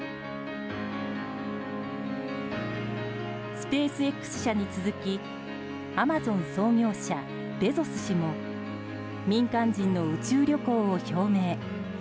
スペースＸ社に続きアマゾン創業者ベゾス氏も民間人の宇宙旅行を表明。